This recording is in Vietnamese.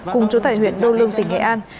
cùng chú tại huyện đô lương tỉnh nghệ an